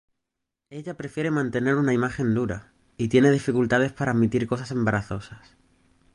Ella prefiere mantener una imagen dura y tiene dificultades para admitir a cosas embarazosas.